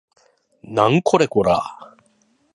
なんこれこら